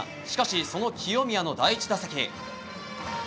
しかし、その清宮の第１打席。